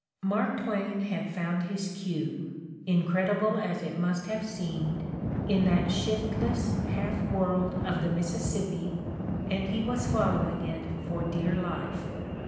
Mark Twain had found his cue, incredible as it must have seemed in that shiftless half world of the Missis sippi, and he was following it for dear life.